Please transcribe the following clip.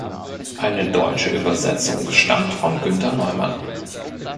Eine deutsche Übersetzung stammt von Günter Neumann.